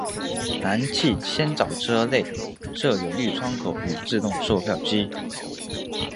南气仙沼车站内设有绿窗口与自动售票机。